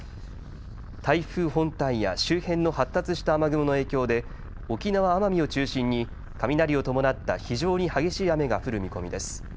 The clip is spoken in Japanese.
台風本体や周辺の発達した雨雲の影響で沖縄・奄美を中心に雷を伴った非常に激しい雨が降る見込みです。